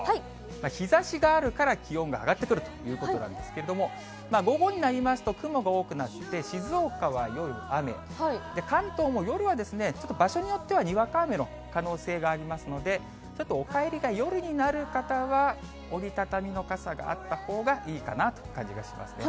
日ざしがあるから気温が上がってくるということなんですけれども、午後になりますと、雲が多くなって、静岡は夜、雨、関東も夜は、ちょっと場所によってはにわか雨の可能性がありますので、ちょっとお帰りが夜になる方は、折り畳みの傘があったほうがいいかなという感じがしますね。